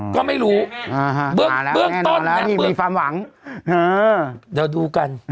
ก็ไม่รู้เบื้องต้นนะเดี๋ยวดูกัน